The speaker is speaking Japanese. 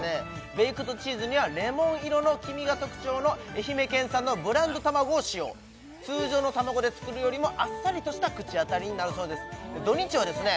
ベイクドチーズにはレモン色の黄身が特徴の愛媛県産のブランド卵を使用通常の卵で作るよりもあっさりとした口当たりになるそうです土日はですね